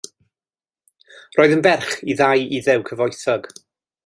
Roedd yn ferch i ddau Iddew cyfoethog.